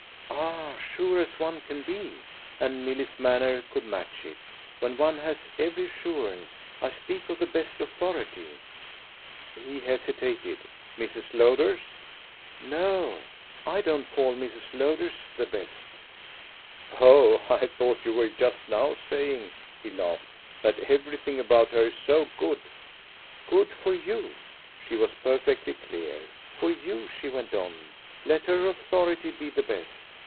"As sure as one can be" and Milly's manner could match it "when one has every assurance. I speak on the best authority." He hesitated. "Mrs. Lowder's?" "No. I don't call Mrs. Lowder's the best." "Oh I thought you were just now saying," he laughed, "that everything about her's so good." "Good for you" she was perfectly clear. "For you," she went on, "let her authority be the best.